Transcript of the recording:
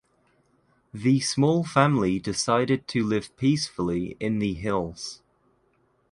The small family decided to live peacefully in the hills.